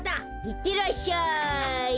いってらっしゃい！